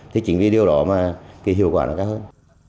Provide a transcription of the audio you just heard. thì chỉnh đi điều đó mà hiệu quả nó cao hơn